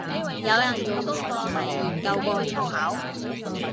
有人做功課係研究過粗口